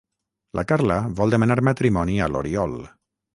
La Carla vol demanar matrimoni a l'Oriol.